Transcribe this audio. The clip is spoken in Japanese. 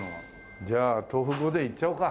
じゃあ豆腐御膳いっちゃおうか。